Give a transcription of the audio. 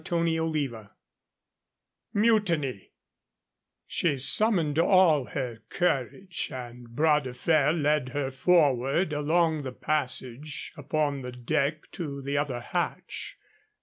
CHAPTER XV MUTINY She summoned all her courage, and Bras de Fer led her forward along the passage upon the deck to the other hatch.